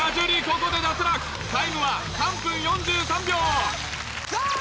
ここで脱落タイムは３分４３秒さあ